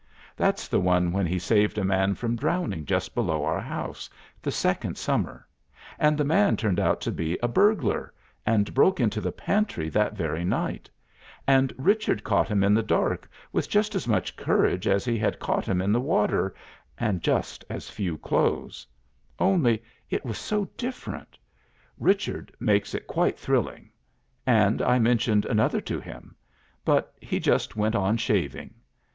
There's the one when he saved a man from drowning just below our house, the second summer, and the man turned out to be a burglar and broke into the pantry that very night, and Richard caught him in the dark with just as much courage as he had caught him in the water and just as few clothes, only it was so different. Richard makes it quite thrilling. And I mentioned another to him. But he just went on shaving.